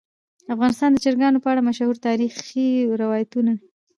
افغانستان د چرګانو په اړه مشهور تاریخی روایتونه.